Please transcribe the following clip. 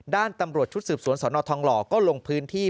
ด้านตำรวจชุดสืบสวนสนทองหล่อก็ลงพื้นที่